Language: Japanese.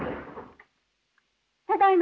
ただいま